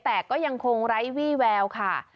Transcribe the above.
แต่ก็ยังคงไร้วี่แววค่ะ